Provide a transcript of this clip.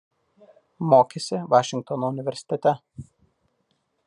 Mokėsi Vašingtono universitete.